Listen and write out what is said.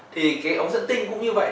thì cái ống dẫn tinh cũng như vậy